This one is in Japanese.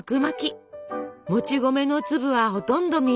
もち米の粒はほとんど見えません。